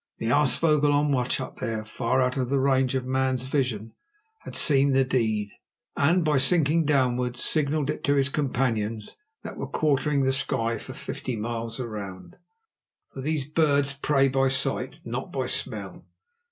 The aasvogel on watch up there far out of the range of man's vision had seen the deed, and, by sinking downwards, signalled it to his companions that were quartering the sky for fifty miles round; for these birds prey by sight, not by smell.